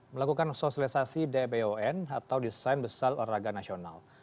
melakukan sosialisasi dbon atau desain besar olahraga nasional